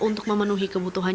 untuk memenuhi kebutuhan